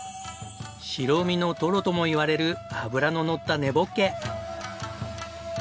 白身のトロともいわれる脂ののった根ボッケ。